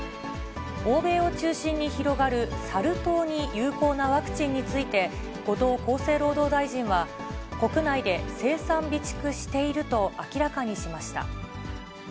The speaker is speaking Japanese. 欧米を中心に広がるサル痘に有効なワクチンについて、後藤厚生労働大臣は、国内で生産備蓄していると明らかにしました。